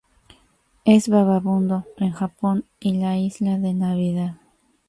Es vagabundo en Japón y la Isla de Navidad.